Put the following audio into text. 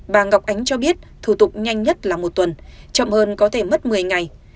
bà ngọc ánh cho biết thủ tục nhanh nhất là một tuần chậm hơn có thể mất một mươi ngày